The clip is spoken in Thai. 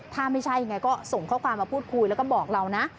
ถ้าไม่ใช่ไงก็ส่งข้อความมาพูดคุยแล้วก็บอกเรานะ